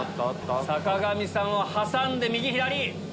坂上さんを挟んで右左。